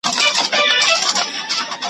هم د سرو هم جواهرو پیمانه وه ,